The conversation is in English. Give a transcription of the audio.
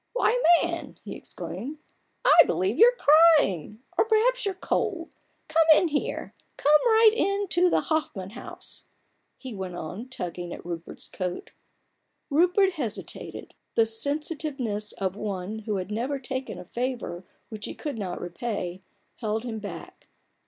"Why, man," he exclaimed, " I believe you're crying ! or perhaps you're cold I Come in here, come right in to the Hoffman House !" he went on, tugging at Rupert's coat, Rupert hesitated. The sensitiveness of one who had never taken a favour which he could not repay, held him back.